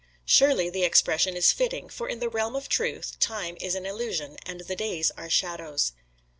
Surely the expression is fitting, for in the realm of truth time is an illusion and the days are shadows.